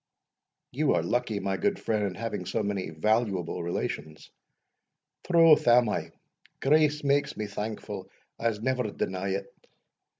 "You are lucky, my good friend, in having so many valuable relations." "Troth am I Grace make me thankful, I'se never deny it.